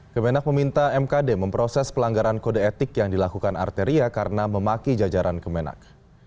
kemenak meminta mkd memproses pelanggaran kode etik yang dilakukan arteria karena memaki jajaran kemenang